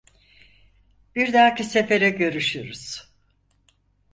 Bir dahaki sefere görüşürüz.